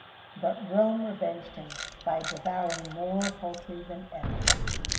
But Rome revenged him by devouring more poultry than ever.